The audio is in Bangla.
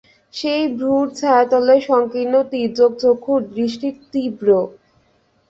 সেই ভ্রূর ছায়াতলে সংকীর্ণ তির্যক চক্ষুর দৃষ্টি তীব্র।